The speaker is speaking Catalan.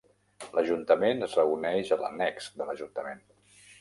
L'Ajuntament es reuneix a l'annex de l'Ajuntament.